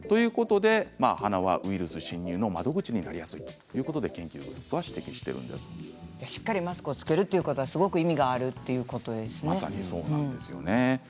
鼻はウイルス侵入の窓口になりやすいということでしっかりマスクをすることは意味があるということなんですね。